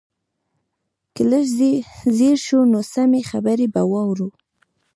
که لږ ځير شو نو سمې خبرې به واورو.